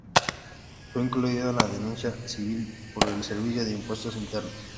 Fue incluido en una denuncia civil por el Servicio de Impuestos Internos.